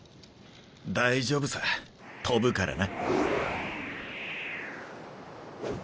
大丈夫さ飛ぶからな。